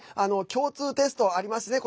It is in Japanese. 共通テストありますね。